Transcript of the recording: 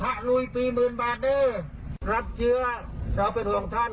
ลุยสี่หมื่นบาทเด้อรับเชื้อเราเป็นห่วงท่าน